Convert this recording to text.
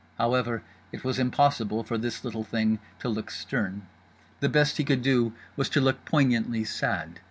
However it was impossible for this little thing to look stern: the best he could do was to look poignantly sad.